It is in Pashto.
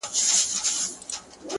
اوس يې ياري كومه ياره مـي ده”